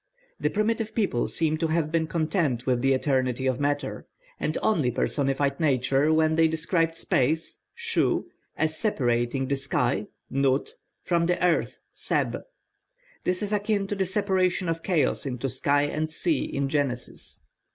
The primitive people seem to have been content with the eternity of matter, and only personified nature when they described space (Shu) as separating the sky (Nut) from the earth (Seb). This is akin to the separation of chaos into sky and sea in Genesis.